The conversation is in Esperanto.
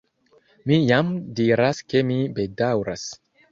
Mi jam diras ke mi bedaŭras.